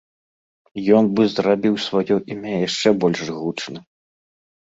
Ён бы зрабіў сваё імя яшчэ больш гучным.